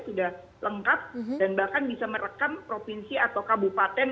sudah lengkap dan bahkan bisa merekam provinsi atau kabupaten